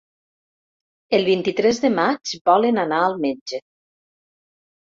El vint-i-tres de maig volen anar al metge.